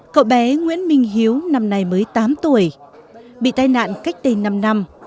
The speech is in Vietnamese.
cậu bé nguyễn minh hiếu năm nay mới tám tuổi bị tai nạn cách đây năm năm